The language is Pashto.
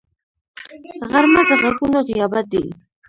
غرمه د غږونو غیابت دی